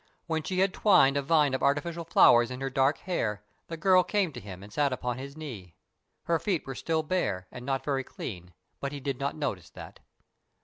When she had twined a vine of artificial flowers in her dark hair, the girl came to him and sat upon his knee. Her feet were still bare, and not very clean; but he did not notice that.